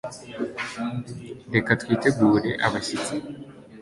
reka twitegure abashyitsi